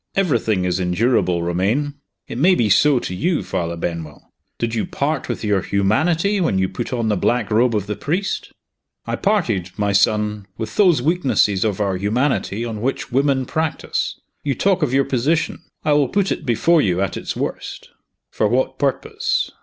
"Everything is endurable, Romayne!" "It may be so to you, Father Benwell. Did you part with your humanity when you put on the black robe of the priest?" "I parted, my son, with those weaknesses of our humanity on which women practice. You talk of your position. I will put it before you at its worst." "For what purpose?"